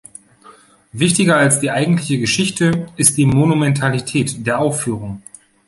Wichtiger als die eigentliche Geschichte ist die Monumentalität der Aufführung.